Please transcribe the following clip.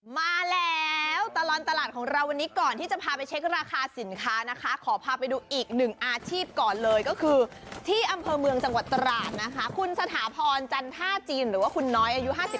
มาแล้วตลอดตลาดของเราวันนี้ก่อนที่จะพาไปเช็คราคาสินค้านะคะขอพาไปดูอีกหนึ่งอาชีพก่อนเลยก็คือที่อำเภอเมืองจังหวัดตราดนะคะคุณสถาพรจันท่าจีนหรือว่าคุณน้อยอายุ๕๓